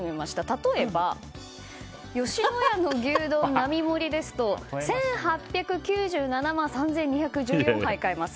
例えば吉野家の牛丼並盛りですと１８９７万３２１４杯、買えます。